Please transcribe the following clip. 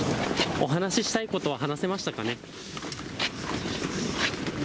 お話ししたいことは話せましたかね。